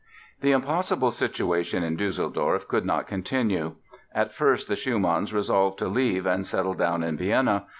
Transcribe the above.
The impossible situation in Düsseldorf could not continue. At first the Schumanns resolved to leave and settle down in Vienna.